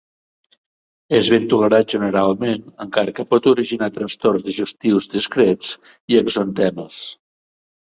És ben tolerat generalment encara que pot originar trastorns digestius discrets i exantemes.